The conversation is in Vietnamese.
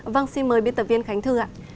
vâng xin mời biên tập viên khánh thư ạ